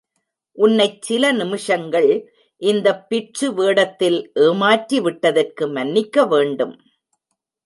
உன்னைச் சில நிமிஷங்கள் இந்த பிட்சு வேடத்தில் ஏமாற்றி விட்டதற்கு மன்னிக்க வேண்டும்.